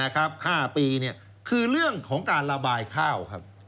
คือเรื่องของการระบายข้าว